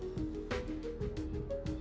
terima kasih tuhan